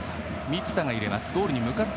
満田が入れます